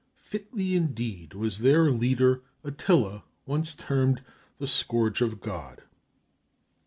Fitly, indeed, was their leader Attila once termed "the Scourge of God."